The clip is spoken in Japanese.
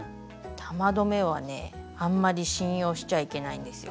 玉留めはねあんまり信用しちゃいけないんですよ。